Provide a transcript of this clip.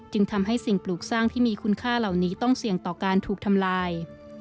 จึงทำให้สิ่งปลูกสร้างที่มีคุณค่าเหล่านี้ต้องเสี่ยงต่อการถูกทำลาย